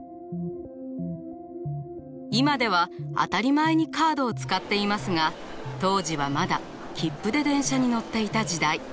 今では当たり前にカードを使っていますが当時はまだ切符で電車に乗っていた時代。